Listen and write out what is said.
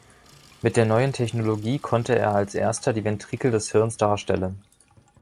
Mit der neuen Technologie konnte er als erster die Ventrikel des Hirns darstellen.